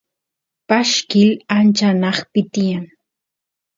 pashkil ancha anaqpi tiyan